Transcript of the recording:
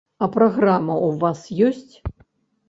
А праграма ў вас ёсць?